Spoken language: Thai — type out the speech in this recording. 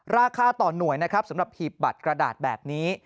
ราคาต่อหน่วยนะครับสำหรับหีบบัตรกระดาษแบบนี้